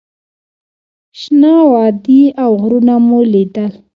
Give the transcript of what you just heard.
شنه وادي او غرونه مو لیدل.